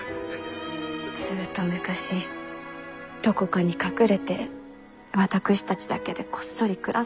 ずっと昔どこかに隠れて私たちだけでこっそり暮らそうと話したのを。